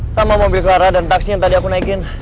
sama mobil kelara dan taksi yang tadi aku naikin